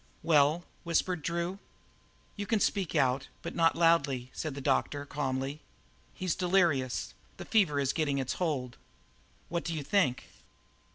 "Well?" whispered Drew. "You can speak out, but not loudly," said the doctor calmly. "He's delirious; the fever is getting its hold." "What do you think?"